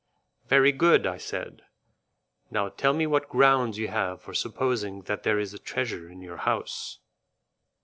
"Very good," I said; "now tell me what grounds you have for supposing that there is a treasure in your house?"